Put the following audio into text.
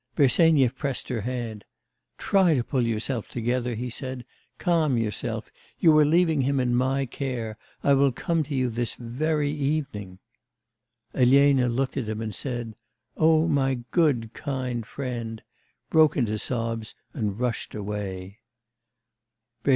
Bersenyev pressed her hand: 'Try to pull yourself together,' he said, 'calm yourself; you are leaving him in my care. I will come to you this very evening.' Elena looked at him, said: 'Oh, my good, kind friend!' broke into sobs and rushed away.